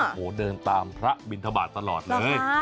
โอ้โหเดินตามพระบินทบาทตลอดเลย